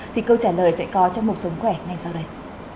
thì câu trả lời sẽ có trong cuộc sống khỏe ngay sau đây